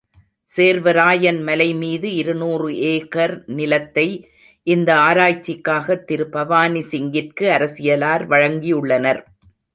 சேர்வராயன் மலைமீது இருநூறு ஏகர் நிலத்தை, இந்த ஆராய்ச்சிக்காகத் திரு பவானி சிங்கிற்கு அரசியலார் வழங்கியுள்ளனர்.